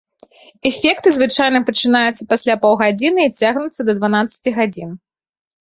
Эфекты звычайна пачынаюцца пасля паўгадзіны і цягнуцца да дванаццаці гадзін.